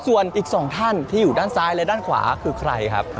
ส่วนอีก๒ท่านที่อยู่ด้านซ้ายและด้านขวาคือใครครับ